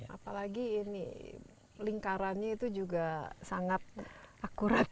apalagi ini lingkarannya itu juga sangat akurat